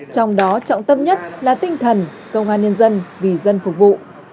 trong đó trọng tâm nhất là tinh thần công an nhân dân vì dân phục vụ